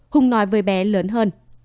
hùng nói với bé lớn hơn